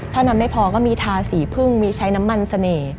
ถ้านำไม่พอก็มีทาสีพึ่งมีใช้น้ำมันเสน่ห์